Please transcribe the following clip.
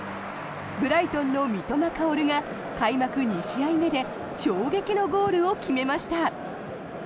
ブライトンの三笘薫が開幕２試合目で衝撃のゴールを決めました。